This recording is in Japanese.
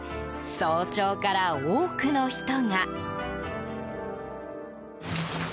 早朝から多くの人が。